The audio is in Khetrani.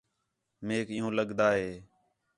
میک عِیُّوں لڳدا ہِے